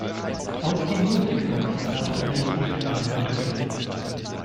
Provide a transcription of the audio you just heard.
Auch die "Musicbox" brachte ein Ostbahn-Interview.